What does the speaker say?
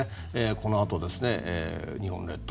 このあと日本列島